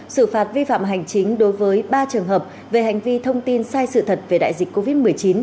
xử phạt vi phạm hành chính đối với ba trường hợp về hành vi thông tin sai sự thật về đại dịch covid một mươi chín